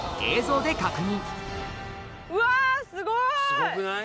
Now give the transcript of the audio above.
すごくない？